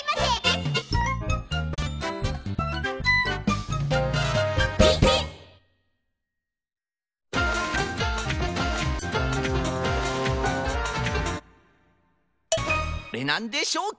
おどうなんでしょうか？